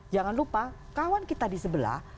jangan lupa kawan kita di sebelah